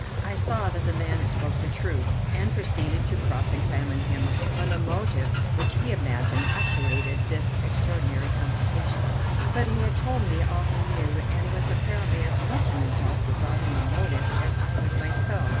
I saw that the man spoke the truth, and proceeded to cross examine him on the motives which he imagined actuated this extraordinary complication; but he had told me all he knew, and was apparently as much in the dark regarding the motive as I was myself.